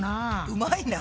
うまいな。